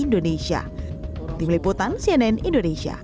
di meliputan cnn indonesia